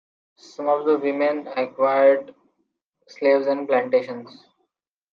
Some of the women acquired slaves and plantations.